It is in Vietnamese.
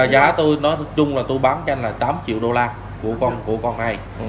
bây giờ giá tôi nói chung là tôi bán cho anh là tám triệu đô la của con này